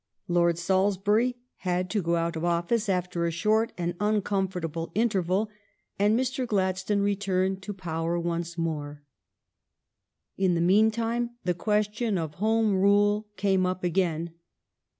Lord Salisbury had to go out of office after a very short and un comfortable interval, and Mr. Gladstone returned to power once more. In the meantime the question of Home Rule came up again.